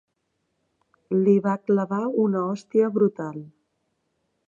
Li va clavar una hòstia brutal.